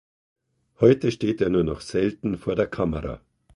Heute steht er nur noch selten vor der Kamera.